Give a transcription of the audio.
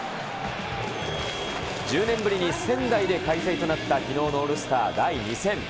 １０年ぶりに仙台で開催となった、きのうのオールスター第２戦。